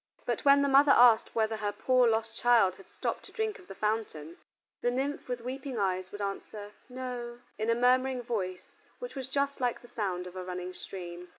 But when the mother asked whether her poor lost child had stopped to drink of the fountain, the nymph with weeping eyes would answer "No," in a murmuring voice which was just like the sound of a running stream.